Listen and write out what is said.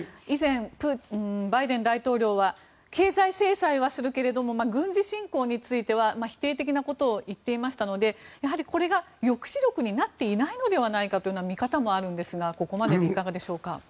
以前、バイデン大統領は経済制裁はするけれども軍事侵攻については否定的なことを言っていましたのでやはりこれが抑止力になっていないのではという見方もあるのですがここまででいかがでしょうか？